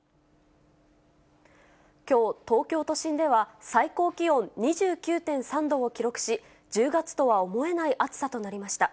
きょう、東京都心では最高気温２９．３度を記録し、１０月とは思えない暑さとなりました。